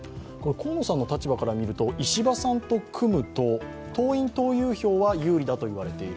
河野さんの立場から見ると、石破さんと組むと党員・党友票は有利だといわれている。